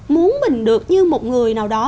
muốn mình được như một người nào đó